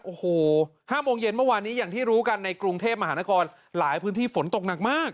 โอ้โห๕โมงเย็นเมื่อวานนี้อย่างที่รู้กันในกรุงเทพมหานครหลายพื้นที่ฝนตกหนักมาก